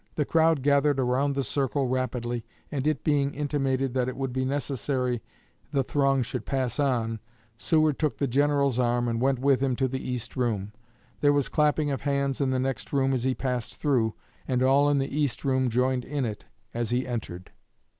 The crowd gathered around the circle rapidly, and it being intimated that it would be necessary the throng should pass on, Seward took the General's arm and went with him to the East Room. There was clapping of hands in the next room as he passed through, and all in the East Room joined in it as he entered."